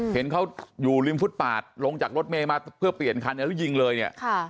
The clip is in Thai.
เห็นเขาอยู่ริมฟุตปาดลงจากรถเมย์มาเพื่อเปลี่ยนคันแล้วยิงเลยเนี่ย